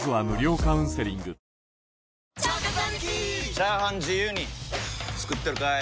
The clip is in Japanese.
チャーハン自由に作ってるかい！？